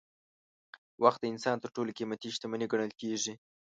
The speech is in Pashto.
وخت د انسان تر ټولو قیمتي شتمني ګڼل کېږي.